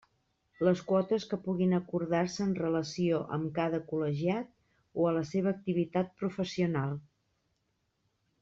Les quotes que puguin acordar-se en relació amb cada col·legiat o a la seva activitat professional.